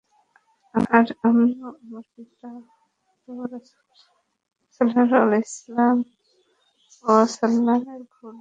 আর আমি ও আমার পিতা তো রাসূলুল্লাহ সাল্লাল্লাহু আলাইহি ওয়াসাল্লামের ঘোর দুশমন ছিলাম।